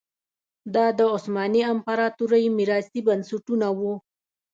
دا د عثماني امپراتورۍ میراثي بنسټونه وو.